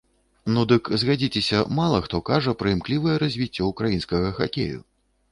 Ну дык, згадзіцеся, мала хто кажа пра імклівае развіццё ўкраінскага хакею.